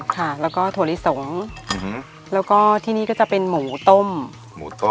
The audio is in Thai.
ค่ะแล้วก็ถั่วลิสงแล้วก็ที่นี่ก็จะเป็นหมูต้มหมูต้ม